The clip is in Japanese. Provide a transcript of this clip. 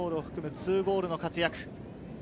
２ゴールの活躍。